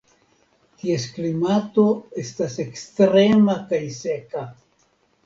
Ties klimato estas ekstrema kaj seka.